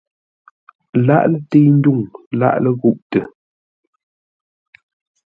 Lâʼ lətəi-ndwuŋ, lâʼ ləghûʼtə.